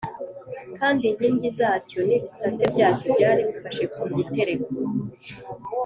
kandi inkingi zacyo n’ibisate byacyo byari bifashe ku gitereko